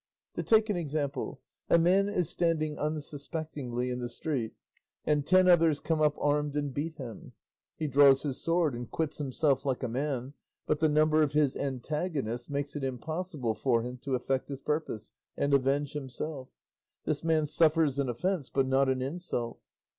To take an example: a man is standing unsuspectingly in the street and ten others come up armed and beat him; he draws his sword and quits himself like a man, but the number of his antagonists makes it impossible for him to effect his purpose and avenge himself; this man suffers an offence but not an insult.